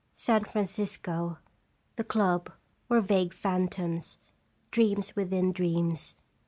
San Francisco, the club, were vague phantoms, dreams within dreams.